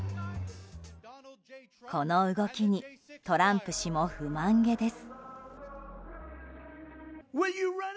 この動きにトランプ氏も不満げです。